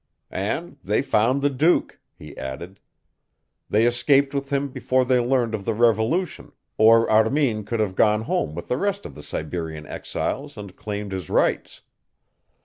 "And they found the Duke," he added. "They escaped with him before they learned of the Revolution, or Armin could have gone home with the rest of the Siberian exiles and claimed his rights.